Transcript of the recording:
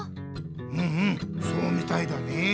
うんうんそうみたいだね。